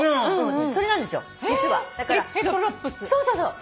そうそうそう。